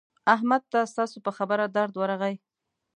احمد ته ستاسو په خبره درد ورغی.